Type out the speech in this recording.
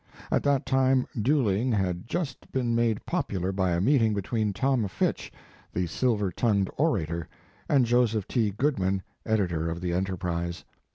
At that time dueling had just been made popular by a meeting between Tom Fitch, the silver tongued orator, and Joseph T. Goodman, editor of the Enterprise.